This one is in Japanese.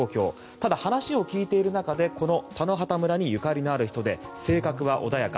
ただ、話を聞いている中で田野畑村にゆかりのある人で性格は穏やか。